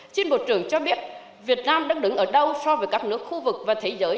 xin bộ trưởng cho biết việt nam đang đứng ở đâu so với các nước khu vực và thế giới